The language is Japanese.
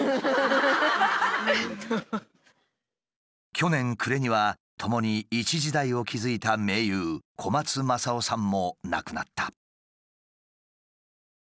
去年暮れには共に一時代を築いた盟友小松政夫さんも亡くなった。